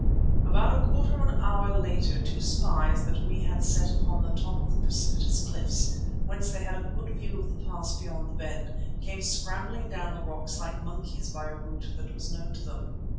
About a quarter of an hour later two spies that we had set upon the top of the precipitous cliffs, whence they had a good view of the pass beyond the bend, came scrambling down the rocks like monkeys by a route that was known to them.